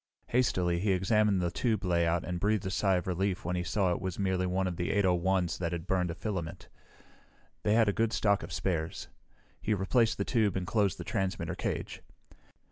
Hastily he examined the tube layout and breathed a sigh of relief when he saw it was merely one of the 801's that had burned a filament. They had a good stock of spares. He replaced the tube and closed the transmitter cage.